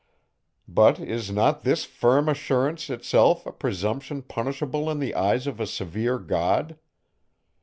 But is not this firm assurance itself a presumption punishable in the eyes of a severe God?